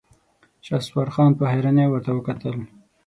شهسوار خان په حيرانۍ ورته کتل.